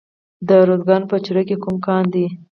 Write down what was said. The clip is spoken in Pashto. د ارزګان په چوره کې کوم کان دی؟